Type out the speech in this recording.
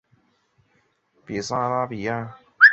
这块地区称为比萨拉比亚。